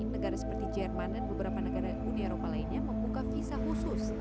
negara seperti jerman dan beberapa negara uni eropa lainnya membuka visa khusus